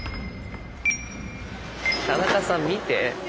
田中さん見て。